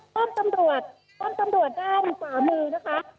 ต้นสำดวจต้นสำดวจด้านขวามือนะคะค่ะ